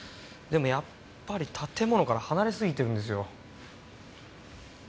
でもやっぱり建物から離れすぎてるんですよ。